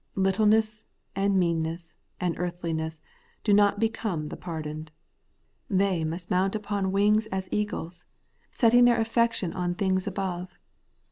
littleness, and meanness, and earthliness, do not become the pardoned. They must mount up on wings as eagles, setting their affection on things above.